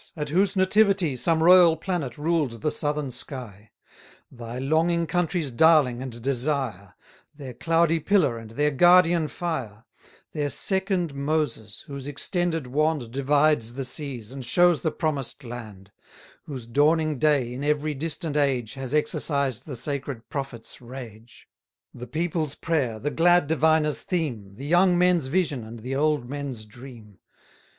at whose nativity 230 Some royal planet ruled the southern sky; Thy longing country's darling and desire; Their cloudy pillar and their guardian fire: Their second Moses, whose extended wand Divides the seas, and shows the promised land: Whose dawning day, in every distant age, Has exercised the sacred prophet's rage: The people's prayer, the glad diviner's theme, The young men's vision, and the old men's dream!